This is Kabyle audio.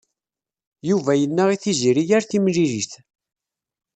Yuba yenna i Tiziri ar timlilit.